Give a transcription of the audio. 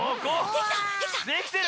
できてる。